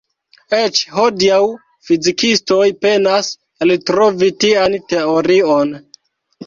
Eĉ hodiaŭ fizikistoj penas eltrovi tian teorion.